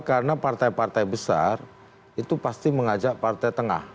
karena partai partai besar itu pasti mengajak partai tengah